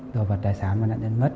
đồ vật tài sản mà nạn nhân mất